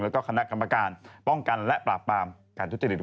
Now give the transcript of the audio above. แล้วก็คณะกรรมการป้องกันและปราบปรามการทุจริต